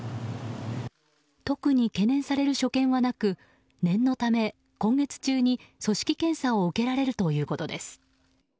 特に懸念される所見はなく念のため、今月中に組織検査を受けられるということです。